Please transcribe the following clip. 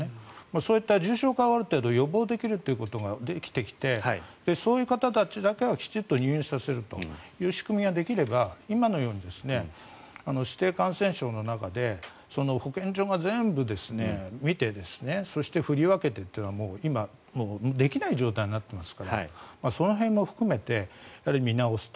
そういった重症化をある程度、予防できるということができてきてそういう方たちをきちんと入院させる仕組みができれば今のように指定感染症の中で保健所が全部見てそして振り分けてっていうのはもう今、できない状態になっていますからその辺も含めて見直すと。